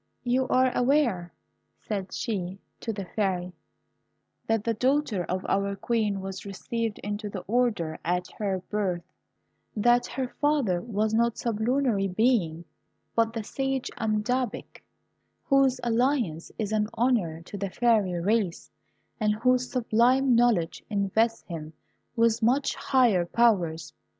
"You are aware," said she to the Fairy, "that the daughter of our Queen was received into the order at her birth; that her father was not a sublunary being, but the sage Amadabak, whose alliance is an honour to the fairy race, and whose sublime knowledge invests him with much higher powers.